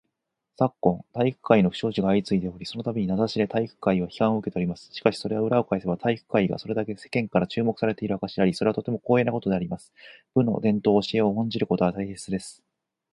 昨今、体育会の不祥事が相次いでおり、その度に名指しで体育会は批判を受けております。しかし、これは裏を返せば体育会がそれだけ世間から注目されている証であり、それはとても光栄なことであります。部の伝統・教えを重んじることは大切です。